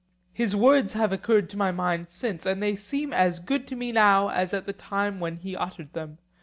His words have often occurred to my mind since, and they seem as good to me now as at the time when he uttered them.